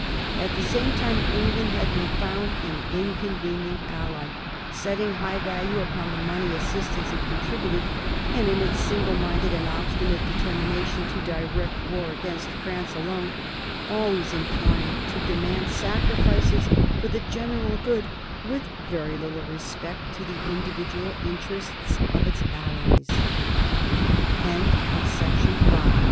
At the same time England had been found an inconvenient ally, setting high value upon the money assistance it contributed, and in its single minded and obstinate determination to direct the war against France alone, always inclined to demand sacrifices for the general good, with very little respect to the individual interests of its al